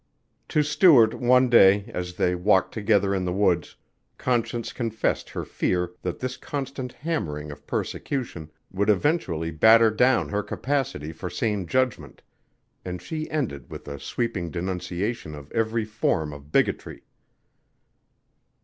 To Stuart one day, as they walked together in the woods, Conscience confessed her fear that this constant hammering of persecution would eventually batter down her capacity for sane judgment and she ended with a sweeping denunciation of every form of bigotry.